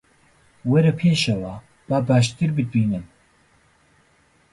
وەرە پێشەوە، با باشتر بتبینم